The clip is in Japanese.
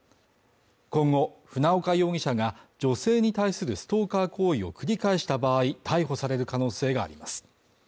今後、船岡容疑者が女性に対するストーカー行為を繰り返した場合、逮捕される可能性があります。